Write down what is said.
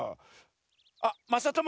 あっまさとも。